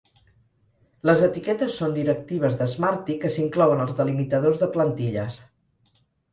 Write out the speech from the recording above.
Les etiquetes són directives de Smarty que s'inclouen als delimitadors de plantilles.